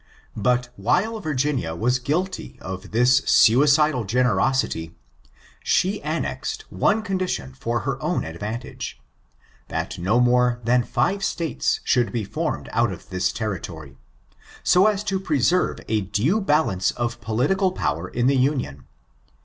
But while Virginia was guilty of this suicidal generosity, she annexed one condition for her own advantage, that no more than five States should be formed out of this territory, so as to preserve a due balance of political power in the Union.